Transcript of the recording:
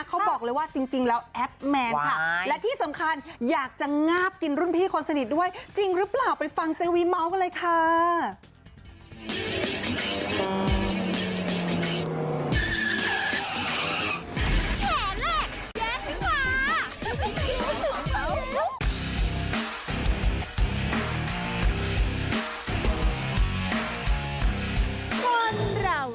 เขาบอกเลยว่าจริงแล้วแอปแมนค่ะและที่สำคัญอยากจะงาบกินรุ่นพี่คนสนิทด้วยจริงหรือเปล่าไปฟังเจวีเมาส์กันเลยค่ะ